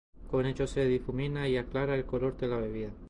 Con ello se difumina y aclara el color de la bebida.